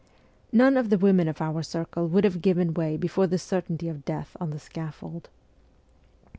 None of the women of our circle would have given way before the certainty of death on the scaffold.